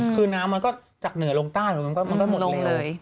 คือน้ำมันก็จากเหนือลงใต้มันก็หมดลงเลย